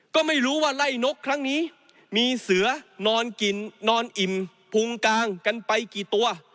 ก็ไม่รู้ว่าไล่นกครั้งนี้มีเสือนอนกินนอนอิ่มพุงกางกันไปกี่ตัว